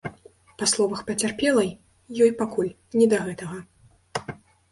Па словах пацярпелай, ёй пакуль не да гэтага.